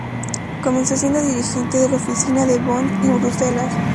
Comenzó siendo dirigente de la oficina de Bonn y Bruselas.